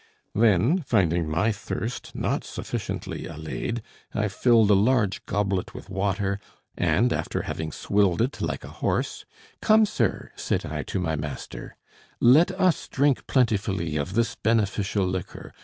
Then, finding my thirst not sufficiently allayed, I filled a large goblet with water, and, after having swilled it like a horse "Come, sir," said I to my master, "let us drink plentifully of this beneficial liquor.